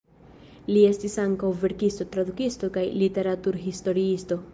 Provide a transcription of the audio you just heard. Li estis ankaŭ verkisto, tradukisto kaj literaturhistoriisto.